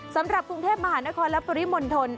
สำหรับกรุงเทพมหานครและปริมณฑล